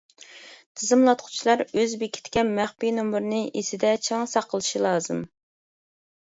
تىزىملاتقۇچىلار ئۆزى بېكىتكەن مەخپىي نومۇرنى ئېسىدە چىڭ ساقلىشى لازىم.